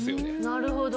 なるほど。